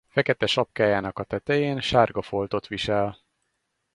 Fekete sapkájának a tetején sárga foltot visel.